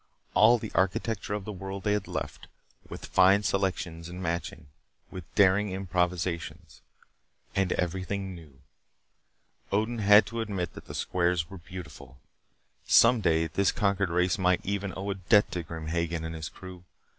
All the architecture of the world they had left, with fine selections and matching, with daring improvisations. And everything new. Odin had to admit that the squares were beautiful. Some day this conquered race might even owe a debt to Grim Hagen and his crew.